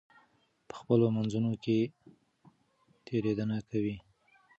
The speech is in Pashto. په خپلو منځونو کې تېرېدنه کوئ.